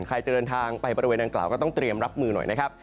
ใครจะเดินทางไปบริเวณนางกล่าวก็ต้องเตรียมรับมือหน่อยนะครับ